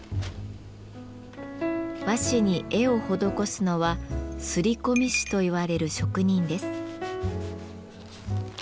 和紙に絵を施すのは摺込師といわれる職人です。